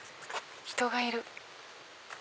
人がいる！